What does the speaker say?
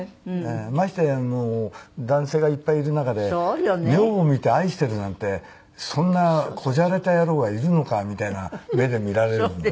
ましてや男性がいっぱいいる中で女房見て「愛してる」なんてそんな小ジャレた野郎はいるのかみたいな目で見られるんで。